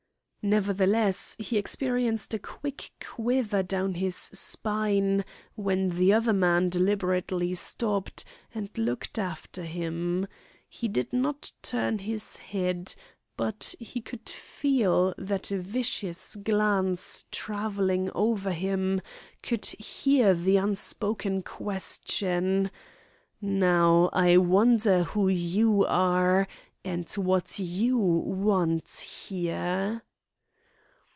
Nevertheless, he experienced a quick quiver down his spine when the other man deliberately stopped and looked after him. He did not turn his head, but he could "feel" that vicious glance travelling over him, could hear the unspoken question: "Now, I wonder who you are, and what you want here?"